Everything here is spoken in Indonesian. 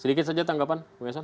sedikit saja tanggapan